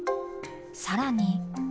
更に。